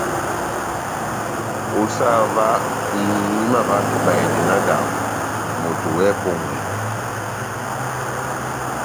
Ó sah óvah, nahimavaha pɛhɛ ibahedɛ náhádambɔ, moto wɛ́hɛ́pi ó ŋʼwɛngɛ !